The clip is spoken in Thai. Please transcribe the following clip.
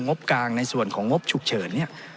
งบกางในส่วนของงบฉุกเฉิน